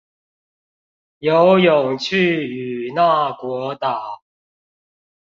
游泳去與那國島